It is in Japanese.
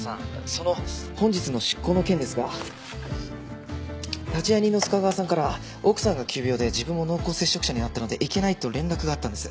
その本日の執行の件ですが立会人の須賀川さんから奥さんが急病で自分も濃厚接触者になったので行けないと連絡があったんです。